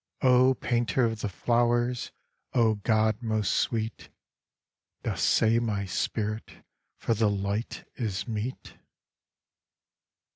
O Painter of the flowers, O God most sweet, _Dost say my spirit for the light is meet?